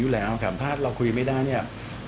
แต่เราคุยไม่ได้เนี่ย